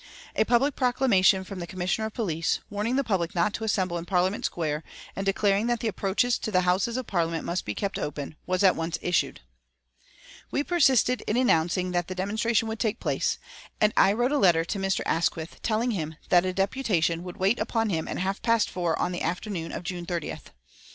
A public proclamation from the Commissioner of Police, warning the public not to assemble in Parliament Square and declaring that the approaches to the Houses of Parliament must be kept open, was at once issued. We persisted in announcing that the demonstration would take place, and I wrote a letter to Mr. Asquith telling him that a deputation would wait upon him at half past four on the afternoon of June 30th.